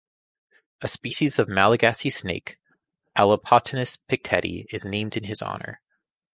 A species of Malagasy snake, "Elapotinus picteti", is named in his honor.